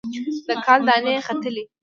د کال دانې ختلي